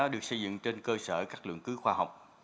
được xây dựng trên cơ sở các lượng cứu khoa học